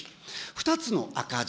２つの赤字。